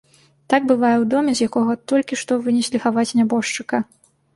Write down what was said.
Так бывае ў доме, з якога толькі што вынеслі хаваць нябожчыка.